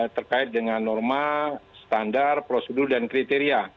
terkait dengan norma standar prosedur dan kriteria